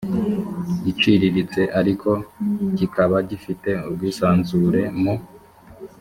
iciriritse ariko kikaba gifite ubwisanzure mu